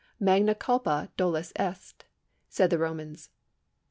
Magna culpa dolus est,^ said the Romans.